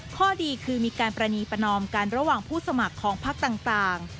ข้อดีคือมีการประณีประนอมกันระหว่างผู้สมัครของพักต่าง